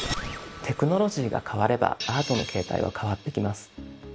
テクノロジーが変わればアートの形態は変わってきます。